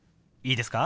いいですか？